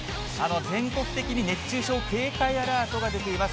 全国的に熱中症警戒アラートが出ています。